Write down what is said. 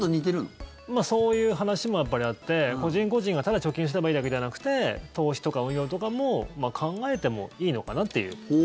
そういう話もあって個人個人がただ貯金してればいいだけじゃなくて投資とか運用とかも考えてもいいのかなっていう。